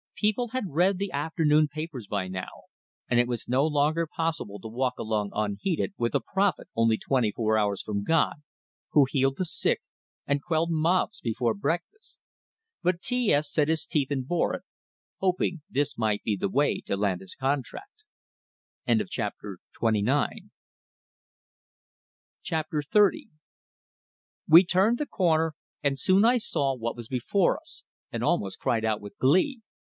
People had read the afternoon papers by now, and it was no longer possible to walk along unheeded, with a prophet only twenty four hours from God, who healed the sick and quelled mobs before breakfast. But T S set his teeth and bore it hoping this might be the way to land his contract. XXX We turned the corner, and soon I saw what was before us, and almost cried out with glee.